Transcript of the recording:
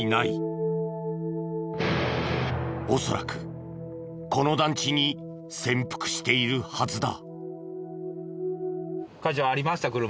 恐らくこの団地に潜伏しているはずだ。